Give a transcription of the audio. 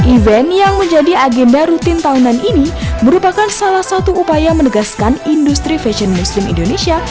event yang menjadi agenda rutin tahunan ini merupakan salah satu upaya menegaskan industri fashion muslim indonesia